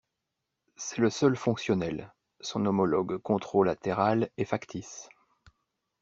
C'est le seul fonctionnel, son homologue controlatéral est factice.